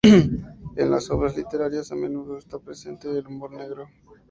En las obras literarias a menudo está presente el humor negro.